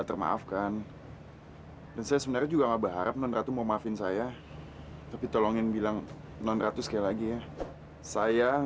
sampai jumpa di video selanjutnya